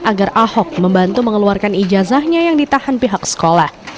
agar ahok membantu mengeluarkan ijazahnya yang ditahan pihak sekolah